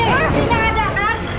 fitnah ada kan